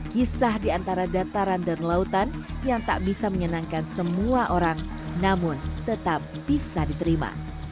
kisah di antara dataran dan lautan yang tak bisa menyenangkan semua orang namun tetap bisa diterima